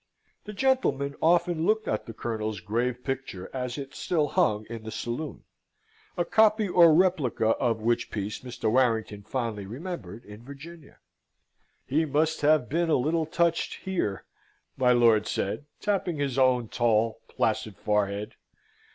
The gentleman often looked at the Colonel's grave picture as it still hung in the saloon, a copy or replica of which piece Mr. Warrington fondly remembered in Virginia. "He must have been a little touched here," my lord said, tapping his own tall, placid forehead.